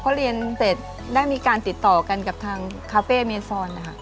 พอเรียนเสร็จได้มีการติดต่อกันกับทางคาเฟ่เมซอนนะคะ